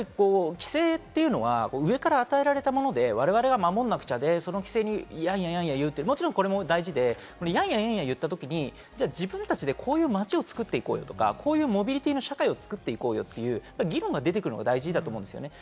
規制というのは上から与えられたもので我々が守らなくちゃで、その規制にやんや言うのも大事で、そういうときに自分たちでこういう街を作っていこうよとか、モビリティの社会を作っていこうよという議論が出てくるのが大事だと思います。